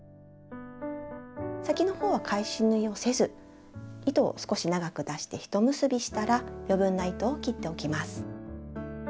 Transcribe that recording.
先のほうは返し縫いをせず糸を少し長く出して一結びしたら余分な糸を切っておきます。